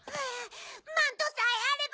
マントさえあれば。